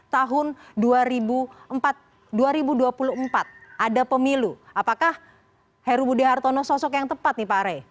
tahun dua ribu dua puluh empat ada pemilu apakah heru budi hartono sosok yang tepat nih pak rey